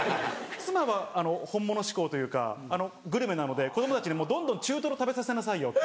妻は本物志向というかグルメなので子供たちにどんどん中トロ食べさせなさいよ。